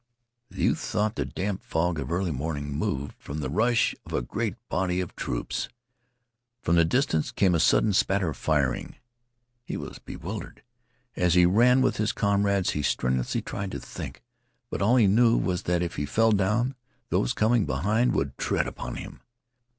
The youth thought the damp fog of early morning moved from the rush of a great body of troops. From the distance came a sudden spatter of firing. He was bewildered. As he ran with his comrades he strenuously tried to think, but all he knew was that if he fell down those coming behind would tread upon him.